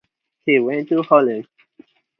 He went to Holland.